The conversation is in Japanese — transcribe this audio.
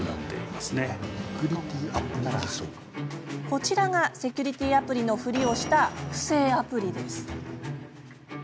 こちらがセキュリティーアプリのふりをした不正アプリです。